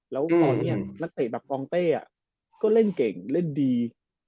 และตัวเนี่ยนักเรียกแบบกองเต้อะก็เล่นเก่งเล่นดี